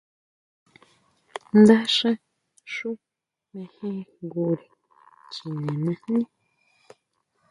Ndásja xú mejenjngure chine najní.